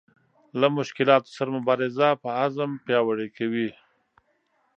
له مشکلاتو سره مبارزه په عزم پیاوړې کوي.